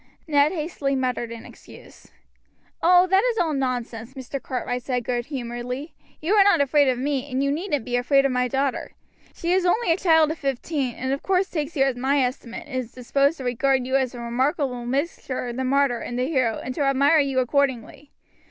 Ned hastily muttered an excuse. "Oh, that is all nonsense," Mr. Cartwright said good humoredly; "you are not afraid of me, and you needn't be afraid of my daughter. She is only a child of fifteen, and of course takes you at my estimate, and is disposed to regard you as a remarkable mixture of the martyr and the hero, and to admire you accordingly.